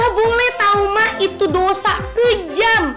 gak boleh tau mah itu dosa kejam